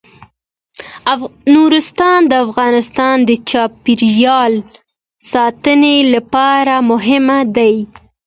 نورستان د افغانستان د چاپیریال ساتنې لپاره مهم دي.